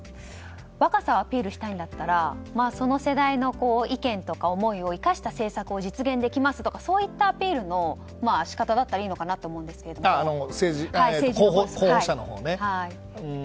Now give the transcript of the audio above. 若さをアピールしたいんだったらその世代の意見とか思いを生かした政策を実現できますとかそういったアピールの仕方だったらいいのかなと候補者のほうね。